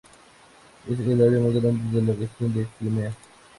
Es el área más grande de la región de Crimea.